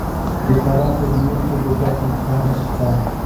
د فراه په جوین کې د ګچ کان شته.